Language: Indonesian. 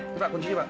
iya pak kuncinya pak